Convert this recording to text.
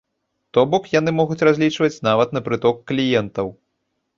То бок, яны могуць разлічваць нават на прыток кліентаў.